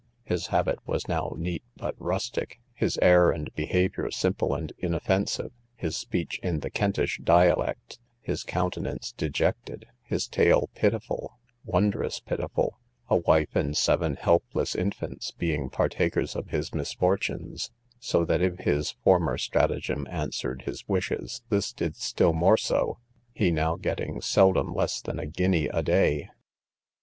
His habit was now neat but rustic; his air and behaviour simple and inoffensive; his speech in the Kentish dialect; his countenance dejected; his tale pitiful—wondrous pitiful; a wife and seven helpless infants being partakers of his misfortunes; so that if his former stratagem answered his wishes, this did still more so, he now getting seldom less than a guinea a day.